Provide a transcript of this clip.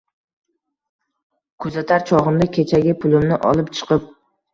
Kuzatar chogʻimda kechagi pulimni olib chiqib